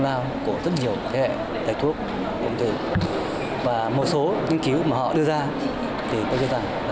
lao của rất nhiều thế hệ thầy thuốc ung thư và một số nghiên cứu mà họ đưa ra thì tôi cho rằng